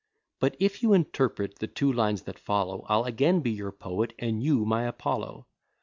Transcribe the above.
But if you interpret the two lines that follow, I'll again be your poet, and you my Apollo.